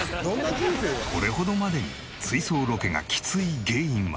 これほどまでに追走ロケがきつい原因は。